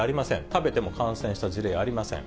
食べても感染した事例ありません。